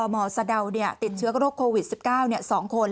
หมอสะเดาเนี่ยติดเชื้อโรคโควิดสิบเก้าเนี่ยสองคน